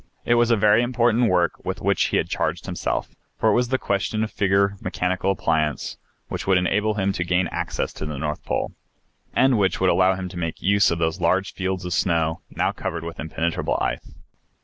It was a very important work with which he had charged himself, for it was the question of figure mechanical appliance which would enable him to gain access to the North Pole, and which would allow him to make use of those large fields of snow now covered with impenetrable ice.